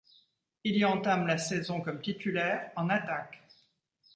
Il y entame la saison comme titulaire en attaque.